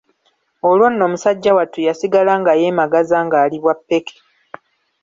Olwo nno musajja wattu yasigala nga yeemagaza ng'ali bwa ppeke.